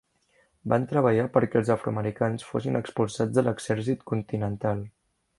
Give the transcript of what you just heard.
Van treballar perquè els afroamericans fossin expulsats de l'Exèrcit Continental.